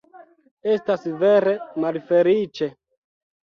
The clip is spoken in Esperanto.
Estas vere malfeliĉe.